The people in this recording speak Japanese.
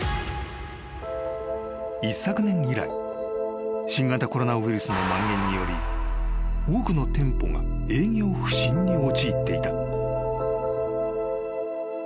［一昨年以来新型コロナウイルスのまん延により多くの店舗が営業不振に陥っていた］